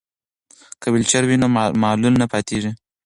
که ویلچر وي نو معلول نه پاتیږي.